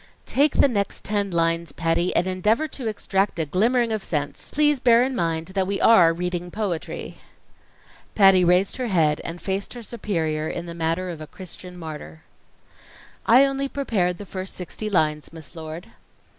"Take the next ten lines, Patty, and endeavor to extract a glimmering of sense. Please bear in mind that we are reading poetry." Patty raised her head and faced her superior in the manner of a Christian martyr. "I only prepared the first sixty lines, Miss Lord."